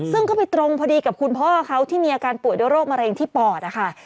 ซึ่งก็ไปตรงพอดีกับคุณพ่อเขาที่มีอาการป่วยด้วยโรคมะเร็งที่ปอดนะคะ